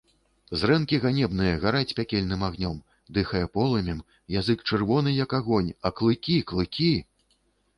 Зрэнкі ганебныя гараць пякельным агнём, дыхае полымем, язык чырвоны, як агонь, а клыкі, клыкі!